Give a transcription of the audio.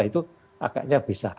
itu agaknya bisa